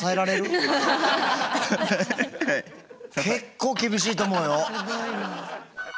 結構厳しいと思うよ。